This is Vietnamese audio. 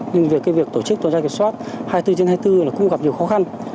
nhưng việc tổ chức tuần tra kiểm soát hai mươi bốn trên hai mươi bốn là cũng gặp nhiều khó khăn